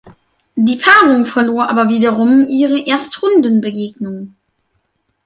Die Paarung verlor aber wiederum ihre Erstrundenbegegnung.